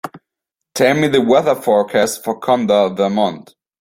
Tell me the weather forecast for Conda, Vermont